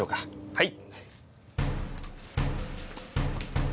はい。